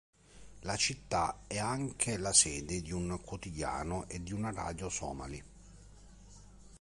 La città è anche la sede di un quotidiano e di una radio somali.